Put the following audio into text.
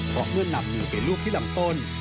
เพราะเมื่อนำหนึ่งเป็นลูกที่ลำต้น